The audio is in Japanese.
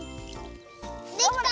できた！